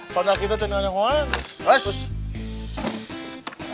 karena kita cenderung ada orang